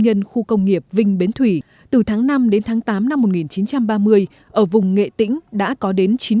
nhân khu công nghiệp vinh bến thủy từ tháng năm đến tháng tám năm một nghìn chín trăm ba mươi ở vùng nghệ tĩnh đã có đến chín mươi